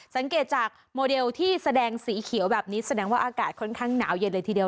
สังเกตจากโมเดลที่แสดงสีเขียวแบบนี้แสดงว่าอากาศค่อนข้างหนาวเย็นเลยทีเดียว